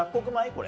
これ。